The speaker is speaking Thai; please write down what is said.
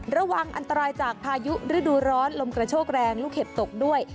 ระวังอันตรายจากพายุฤดูร้อนลมกระโชกแรงลูกเห็บตกด้วย